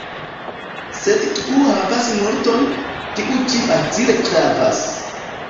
Sed kiu havas multon, tiu ĉi facile pravas.